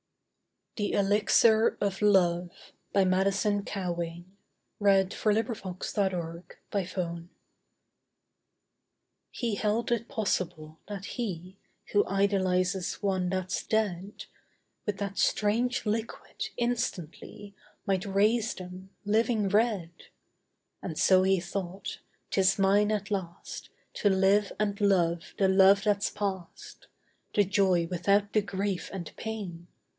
e where rose leaves fall, And rest by her who was my all! THE ELIXIR OF LOVE He held it possible that he Who idolizes one that's dead, With that strange liquid instantly Might raise them, living red: And so he thought, "'Tis mine at last To live and love the love that's past; The joy without the grief and pain.